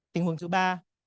tình huống thứ ba